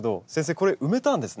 これ埋めたんですね。